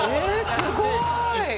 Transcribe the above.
すごい！